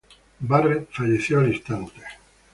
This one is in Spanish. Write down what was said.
Barrett falleció al instante.